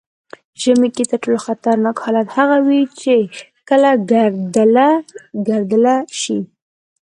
ژمي کې تر ټولو خطرناک حالت هغه وي چې کله ګردله شي.